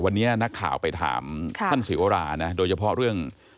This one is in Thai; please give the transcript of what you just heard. วันนี้นักข่าวไปถามท่านศิวรานะโดยเฉพาะเรื่อง